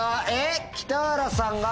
北原さんが？